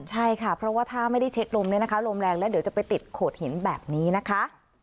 ใช่ค่ะเพราะว่าถ้าไม่ได้เช็คลมเนี่ยนะคะลมแรงแล้วเดี๋ยวจะไปติดโขดหินแบบนี้นะคะ